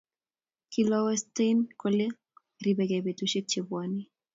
kilosteiwon kole ribegei betusiek chebwoni